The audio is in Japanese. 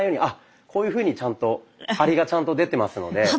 あっこういうふうにちゃんと張りがちゃんと出てますので。